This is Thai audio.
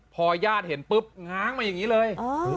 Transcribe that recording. พอญาติเห็นปุ๊บง้างมาอย่างนี้เลย